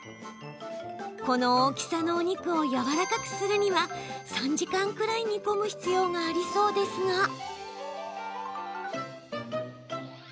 この大きさのお肉をやわらかくするには３時間くらい煮込む必要がありそうですが。